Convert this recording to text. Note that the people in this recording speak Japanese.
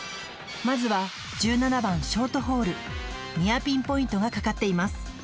まずは１７番ショートホールニアピンポイントがかかっています